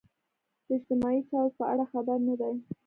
د اجتماعي چارو په اړه خبر نه دي.